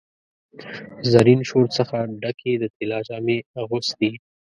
د زرین شور څخه ډکي، د طلا جامې اغوستي